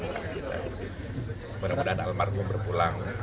jadi kita mudah mudahan almarhum berpulang